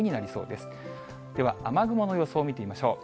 では雨雲の予想を見てみましょう。